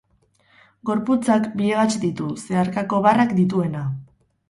Gorputzak bi hegats ditu, zeharkako barrak dituena.